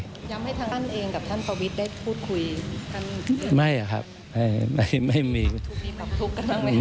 ย้ำให้ท่านเองกับท่านปอวิทย์ได้พูดคุยกัน